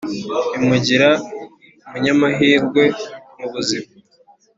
bimugira umu nyamahirwe mu buzima